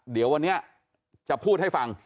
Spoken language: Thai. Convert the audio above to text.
เดี๋ยววันนี้จะพูดให้ฟัง